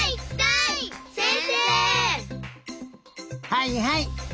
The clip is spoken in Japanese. はいはい。